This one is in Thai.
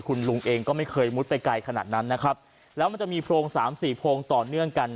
คุณลุงเองก็ไม่เคยมุดไปไกลขนาดนั้นนะครับแล้วมันจะมีโพรงสามสี่โพรงต่อเนื่องกัน